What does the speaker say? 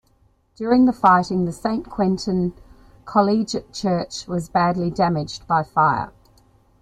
During the fighting the Saint-Quentin collegiate church was badly damaged by fire.